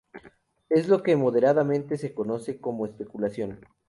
Es lo que modernamente se conoce como especulación.